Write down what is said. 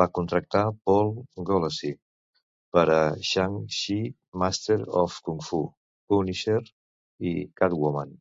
Va contractar Paul Gulacy per a "Shang-Chi: Master of Kung Fu", "Punisher" i "Catwoman".